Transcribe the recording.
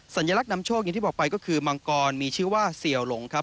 สัญลักษณ์นำโชคอย่างที่บอกไปก็คือมังกรมีชื่อว่าเสี่ยวหลงครับ